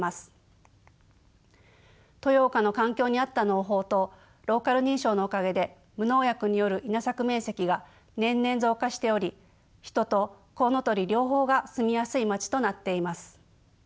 豊岡の環境に合った農法とローカル認証のおかげで無農薬による稲作面積が年々増加しており人とコウノトリ両方が住みやすい町となっています。